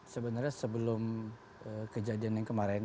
sebenarnya sebelum kejadian yang kemarin